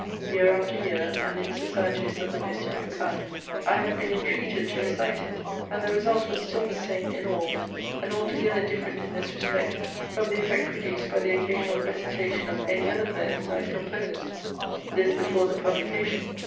Year after year, and in societies of the most different kinds, I had been entreated to recite it and the result was still the same in all, and altogether different in this respect from the effect produced by the occasional recitation of any other poems I had composed. This before the publication.